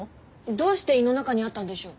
どうして胃の中にあったんでしょう？